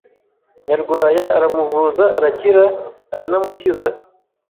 Nyarwaya aramuvuza arakira aranamukiza.